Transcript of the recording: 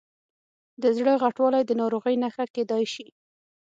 د زړه غټوالی د ناروغۍ نښه کېدای شي.